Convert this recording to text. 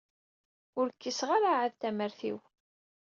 Ur kkiseɣ ara ɛad tamart-iw.